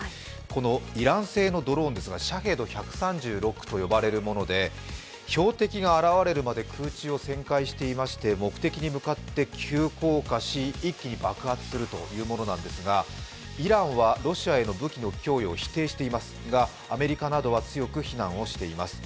このイラン製のドローンですが、シャヘド１３６と呼ばれるもので標的が現れるまで空中にいまして目的に向かって急降下し、一気に爆発するというものなのですが、イランはロシアへの武器の供与を否定していますがアメリカなどは強く非難をしています。